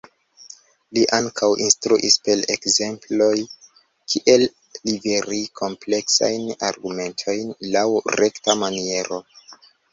Li ankaŭ instruis per ekzemploj kiel liveri kompleksajn argumentojn laŭ rekta maniero.